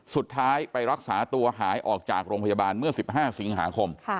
สุดท้ายไปรักษาตัวหายออกจากโรงพยาบาลเมื่อ๑๕สิงหาคม